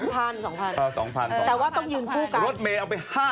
๒๐๐๐บาทแต่ว่าต้องยืนผู้กันอย่างนั้นโอ๊ยรถเมล์เอาไป๕๐๐๐บาท